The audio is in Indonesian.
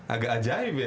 agak ajaib ya